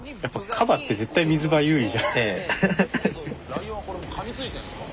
ライオンはこれ噛みついてるんですか？